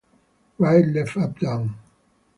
Right left up down.